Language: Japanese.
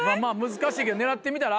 難しいけど狙ってみたら。